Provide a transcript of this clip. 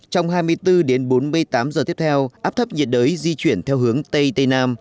trong hai mươi bốn đến bốn mươi tám giờ tiếp theo áp thấp nhiệt đới di chuyển theo hướng tây tây nam